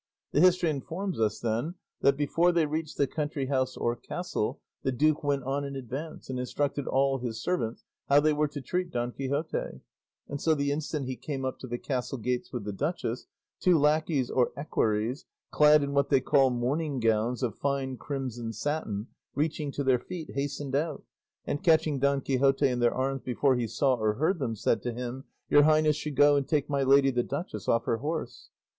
The history informs us, then, that before they reached the country house or castle, the duke went on in advance and instructed all his servants how they were to treat Don Quixote; and so the instant he came up to the castle gates with the duchess, two lackeys or equerries, clad in what they call morning gowns of fine crimson satin reaching to their feet, hastened out, and catching Don Quixote in their arms before he saw or heard them, said to him, "Your highness should go and take my lady the duchess off her horse."